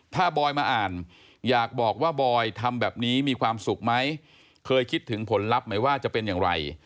ถ้าบอยมาอ่านอยากบอกว่าบอยทำแบบนี้มีความสุขไหมเคยคิดถึงผลลัพธ์ไหมว่าจะเป็นอย่างไร